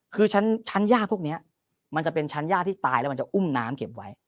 คือชั้นย่าพวกนี้มันจะเป็นชั้นย่าที่ตายแล้วมันจะอุ้มน้ำเก็บไว้